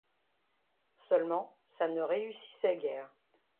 Seulement, ça ne réussissait guère.